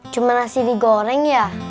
cuma nasi digoreng ya